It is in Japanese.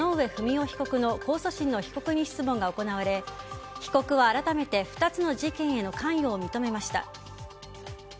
夫被告の控訴審の被告人質問が行われ被告は改めて２つの事件への関与を認めました。